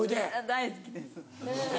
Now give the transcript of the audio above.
大好きです。